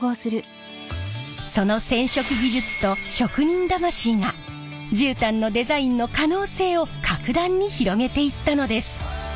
その染色技術と職人魂が絨毯のデザインの可能性を格段に広げていったのです。